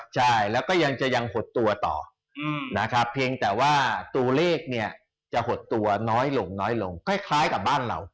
ใช่แล้วก็ยังจะยังหดตัวต่อนะครับเพียงแต่ว่าตัวเลขเนี่ยจะหดตัวน้อยลงน้อยลงคล้ายกับบ้านเรา